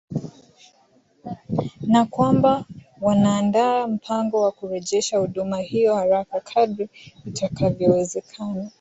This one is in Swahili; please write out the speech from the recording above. na kwamba wanaandaa mpango wa kurejesha huduma hiyo haraka kadri itakavyowezekana